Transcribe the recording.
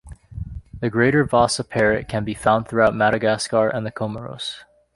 The greater vasa parrot can be found throughout Madagascar and the Comoros.